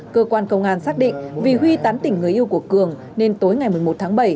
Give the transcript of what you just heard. cơ quan công an xác định vì huy tán tỉnh người yêu của cường nên tối ngày một mươi một tháng bảy